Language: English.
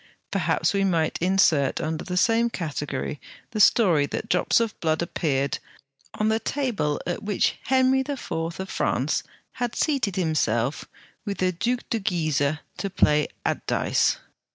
Perhaps we might insert under the same category the story that drops of blood appeared on the table at which Henry IV. of France had seated himself with the Duc de Guise to play at dice.